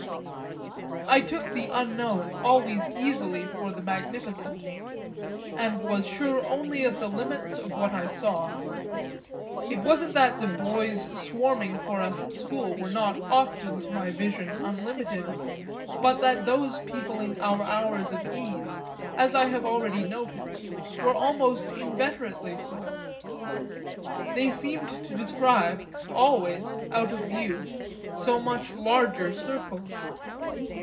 I took the unknown always easily for the magnificent and was sure only of the limits of what I saw. It wasn't that the boys swarming for us at school were not often, to my vision, unlimited, but that those peopling our hours of ease, as I have already noted, were almost inveterately so they seemed to describe always, out of view, so much larger circles.